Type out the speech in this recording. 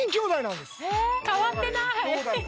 変わってない！